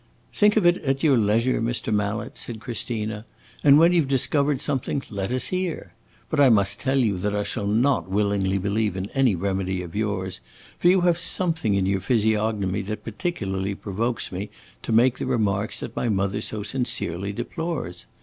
"Think of it at your leisure, Mr. Mallet," said Christina, "and when you 've discovered something, let us hear. But I must tell you that I shall not willingly believe in any remedy of yours, for you have something in your physiognomy that particularly provokes me to make the remarks that my mother so sincerely deplores.